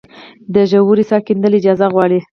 د ژورې څاه کیندل اجازه غواړي؟